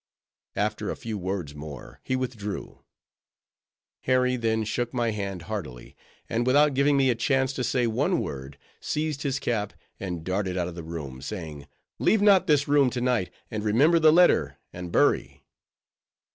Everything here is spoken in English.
After a few words more, he withdrew. Harry then shook my hand heartily, and without giving me a chance to say one word, seized his cap, and darted out of the room, saying, "Leave not this room tonight; and remember the letter, and Bury!"